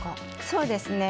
そうですね。